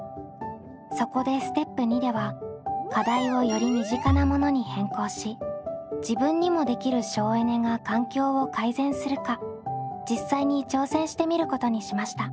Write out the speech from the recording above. そこでステップ②では課題をより身近なものに変更し自分にもできる省エネが環境を改善するか実際に挑戦してみることにしました。